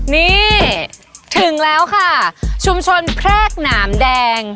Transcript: นี่ถึงแล้วค่ะชุมชนแพรกหนามแดง